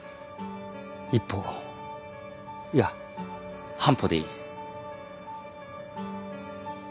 一歩いや半歩でいい。